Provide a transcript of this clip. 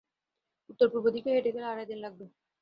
উত্তর-পূর্ব দিকে, হেঁটে গেলে আড়াই দিন লাগবে।